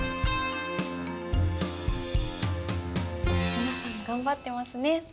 皆さん頑張ってますね。